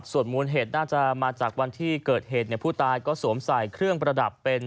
ส่วนมูลเหตุน่าจะมาจากวันที่เกิดเหตุผู้ตายก็สวมใส่เครื่องประดับเป็น